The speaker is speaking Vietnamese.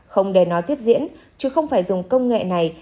không để nó tiếp diễn chứ không phải dùng công nghệ này